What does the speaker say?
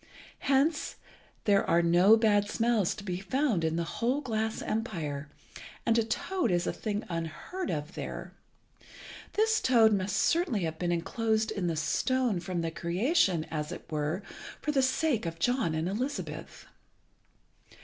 Hence there are no bad smells to be found in the whole glass empire, and a toad is a thing unheard of there. This toad must certainly have been enclosed in the stone from the creation, as it were, for the sake of John and Elizabeth.